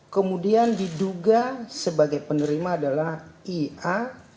kemudian diduga sebagai penerima adalah ia